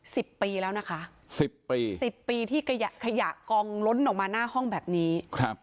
สิบปีแล้วนะคะสิบปีสิบปีที่ขยะขยะกองล้นออกมาหน้าห้องแบบนี้ครับ